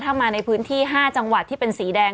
ถ้ามาในพื้นที่๕จังหวัดที่เป็นสีแดง